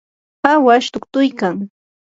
awash tuktuykan.